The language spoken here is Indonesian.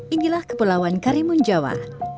inilah kepulauan karimun jawa